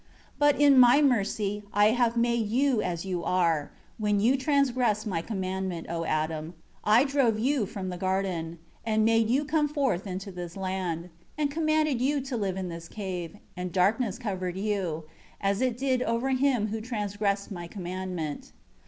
9 But in My mercy, I have made you as you are; when you transgressed My commandment, O Adam, I drove you from the garden, and made you come forth into this land; and commanded you to live in this cave; and darkness covered you, as it did over him who transgressed My commandment.